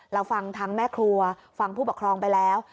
เราฟังทั้งแม่ครัวฟังผู้ปกครองไปแล้ว